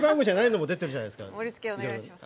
盛りつけお願いします。